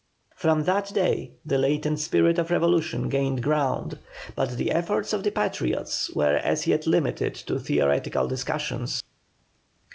From that day the latent spirit of revolution gained ground, but the efforts of the Patriots were as yet limited to theoretical discussions.